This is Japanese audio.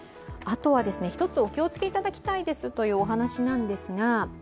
一つお気をつけいただきたいですというお話なんですが。